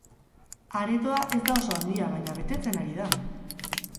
Aretoa ez da oso handia, baina betetzen ari da!